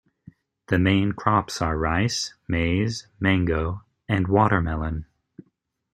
The main crops are rice, maize, mango, and watermelon.